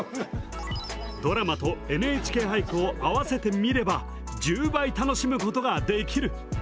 ドラマと「ＮＨＫ俳句」を合わせて見れば１０倍楽しむことができる！